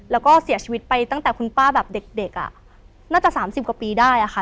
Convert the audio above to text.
แล้วก็เสียชีวิตไปตั้งแต่คุณป้าแบบเด็กอ่ะน่าจะ๓๐กว่าปีได้อะค่ะ